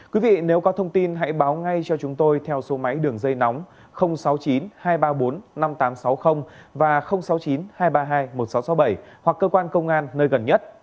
quý vị nếu có thông tin hãy báo ngay cho chúng tôi theo số máy đường dây nóng sáu mươi chín hai trăm ba mươi bốn năm nghìn tám trăm sáu mươi và sáu mươi chín hai trăm ba mươi hai một nghìn sáu trăm sáu mươi bảy hoặc cơ quan công an nơi gần nhất